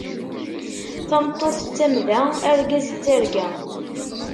Tameṭṭut d tamda, argaz d targa.